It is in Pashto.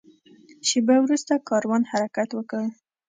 شېبه وروسته کاروان حرکت وکړ.